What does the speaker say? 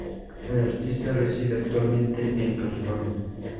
El artista reside actualmente en California.